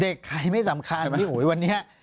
เด็กใครไม่สำคัญพี่โหยวันนี้